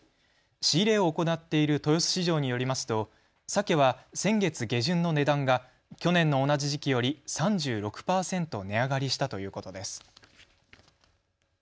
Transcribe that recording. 仕入れを行っている豊洲市場によりますとさけは先月下旬の値段が去年の同じ時期より３６％値上がりしたということです。